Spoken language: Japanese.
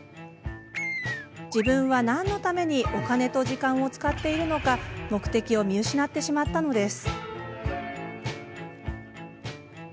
自分は何のためにお金と時間を使っているのか目的を見失ってしまったのです。